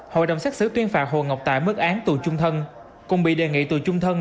hội đồng xét xử tuyên phạt hồ ngọc tài mức án tù chung thân cùng bị đề nghị tù chung thân